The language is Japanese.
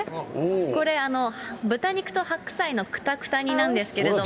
これ、豚肉と白菜のくたくた煮なんですけれども。